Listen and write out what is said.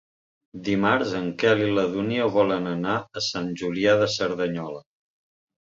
Dimarts en Quel i na Dúnia volen anar a Sant Julià de Cerdanyola.